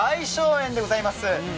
園でございます。